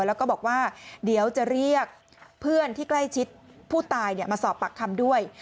แล้วก็บอกว่าเดี๋ยวจะเรียกเพื่อนที่ใกล้ชิดผู้ตายมาสอบปากคำด้วย